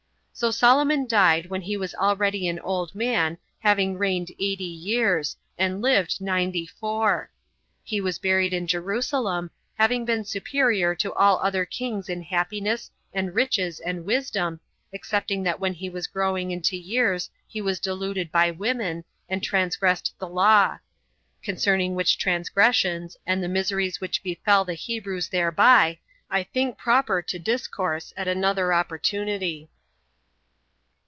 So Solomon died when he was already an old man, having reigned eighty years, and lived ninety four. He was buried in Jerusalem, having been superior to all other kings in happiness, and riches, and wisdom, excepting that when he was growing into years he was deluded by women, and transgressed the law; concerning which transgressions, and the miseries which befell the Hebrews thereby, I think proper to discourse at another opportunity.